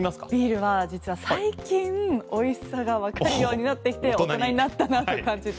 実は最近美味しさがわかるようになってきて大人になったなと感じて